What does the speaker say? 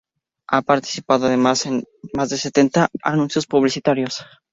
Ha participado además en más de sesenta anuncios publicitarios.